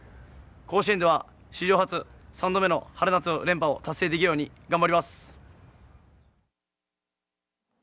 甲子園では、史上初３度目の春夏連覇を達成出来るように頑張ります。